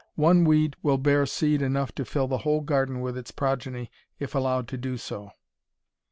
One weed will bear seed enough to fill the whole garden with its progeny if allowed to do so.